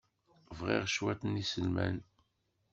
Bɣiɣ cwiṭ n yiselman.